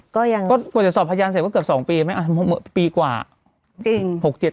ก็ยังก็จะสอบพยานเสร็จก็เกือบสองปีไหมอ่ะปีกว่าจริงหกเจ็ด